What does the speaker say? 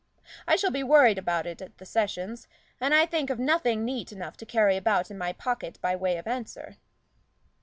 I shall be worried about it at the sessions, and I can think of nothing neat enough to carry about in my pocket by way of answer."